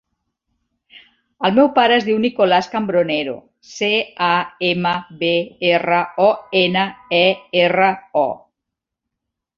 El meu pare es diu Nicolàs Cambronero: ce, a, ema, be, erra, o, ena, e, erra, o.